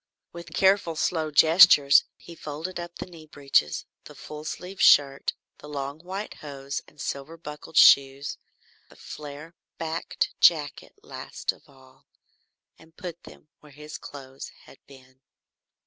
With careful slow gestures he folded up the knee breeches, the full sleeved shirt, the long white hose and silver buckled shoes, the flare backed jacket last of all, and put them where his clothes had been.